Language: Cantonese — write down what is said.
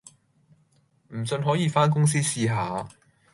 唔信可以番公司試下